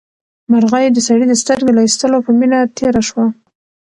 مرغۍ د سړي د سترګې له ایستلو په مینه تېره شوه.